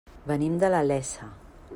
Venim de la Iessa.